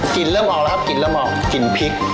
เริ่มออกแล้วครับกลิ่นเริ่มออกกลิ่นพริก